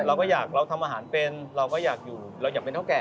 ใช่ครับเราก็อยากทำอาหารเป็นเราก็อยากอยู่อยากเป็นเท่าแก่